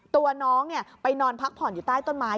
ตัวน้องไปนอนพักผ่อนอยู่ใต้ต้นไม้